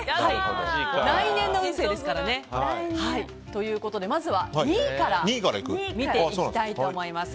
来年の運勢ですからね。ということでまずは２位から見ていきたいと思います。